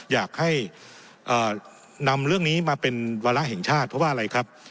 อยากให้นำเรื่องนี้มาเป็นวาระแห่งชาติเพราะว่าอะไรครับ